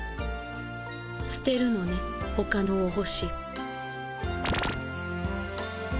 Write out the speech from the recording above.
すてるのねほかのお星。